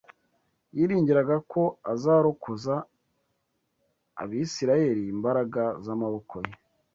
Yiringiraga ko azarokoza Abisirayeli imbaraga z’amaboko ye